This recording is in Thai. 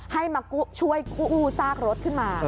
ให้มาช่วยกู้ซากรถขึ้นมา